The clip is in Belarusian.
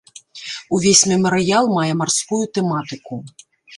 Увесь мемарыял мае марскую тэматыку.